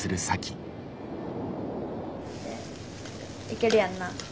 いけるやんな。